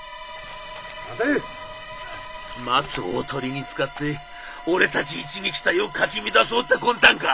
「マツをおとりに使って俺たち一撃隊をかき乱そうって魂胆か。